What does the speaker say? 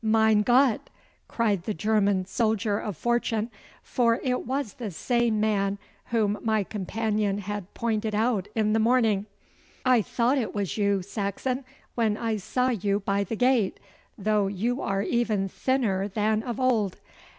'Mein Gott!' cried the German soldier of fortune, for it was the same man whom my companion had pointed out in the morning, 'I thought it was you, Saxon, when I saw you by the gate, though you are even thinner than of old.